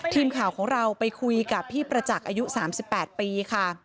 ทีมข่าวของเราไปคุยกับพี่ประจักษ์อายุ๓๘ปีค่ะ